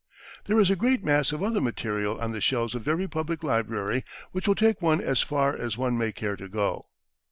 There is a great mass of other material on the shelves of every public library, which will take one as far as one may care to go.